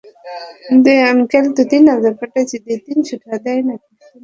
তুমি আসার পরে বাড়িতে অন্য কেউ ছিল?